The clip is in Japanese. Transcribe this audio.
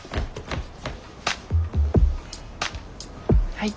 はい。